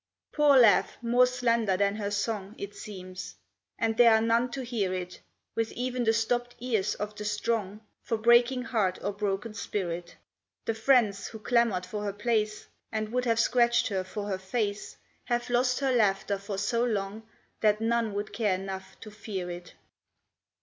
Poor laugh, more slender than her song It seems; and there are none to hear it With even the stopped ears of the strong For breaking heart or broken spirit. The friends who clamored for her place, And would have scratched her for her face, Have lost her laughter for so long That none would care enough to fear it.